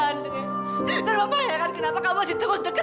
sampai jumpa di video selanjutnya